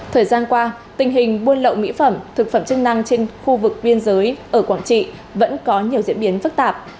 thời gian qua tình hình buôn lậu mỹ phẩm thực phẩm chức năng trên khu vực biên giới ở quảng trị vẫn có nhiều diễn biến phức tạp